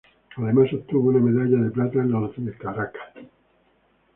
Además obtuvo una medalla de plata en los en Caracas.